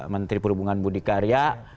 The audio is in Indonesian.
menteri perhubungan budi karya